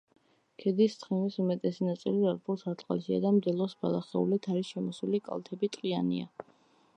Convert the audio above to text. ქედის თხემის უმეტესი ნაწილი ალპურ სარტყელშია და მდელოს ბალახეულით არის შემოსილი, კალთები ტყიანია.